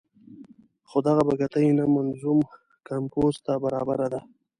خو دغه بګتۍ نه منظوم کمپوز ته برابره ده.